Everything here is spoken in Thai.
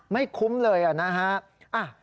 ไม่คุ้มเลยนะฮะ